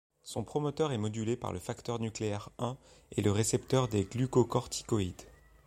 Son promoteur est modulé par le facteur nucléaire I et le récepteur des glucocorticoïdes.